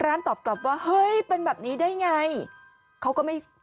ร้านตอบกลับว่าเฮ้ยเป็นแบบนี้ได้อย่างไร